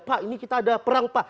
pak ini kita ada perang pak